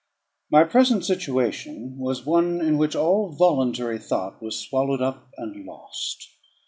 My present situation was one in which all voluntary thought was swallowed up and lost.